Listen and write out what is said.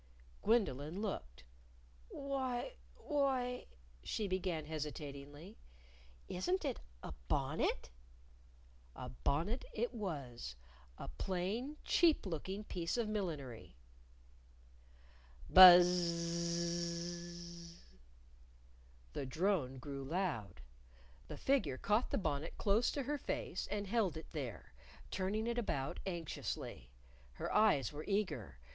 Gwendolyn looked. "Why, why," she began hesitatingly, "isn't it a bonnet?" A bonnet it was a plain, cheap looking piece of millinery. BUZZ Z Z Z Z! The drone grew loud. The figure caught the bonnet close to her face and held it there, turning it about anxiously. Her eyes were eager.